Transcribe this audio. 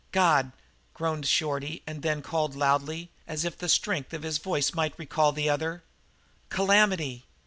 "God!" groaned Shorty, and then called loudly, as if the strength of his voice might recall the other, "Calamity!"